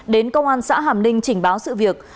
đến công an xã hàm ninh trình báo sự việc